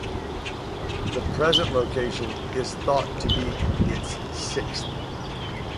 The present location is thought to be its sixth.